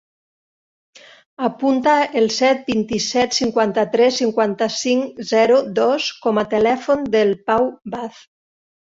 Apunta el set, vint-i-set, cinquanta-tres, cinquanta-cinc, zero, dos com a telèfon del Pau Vaz.